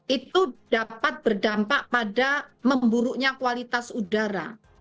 itu dapat berdampak pada memburuknya kualitas udara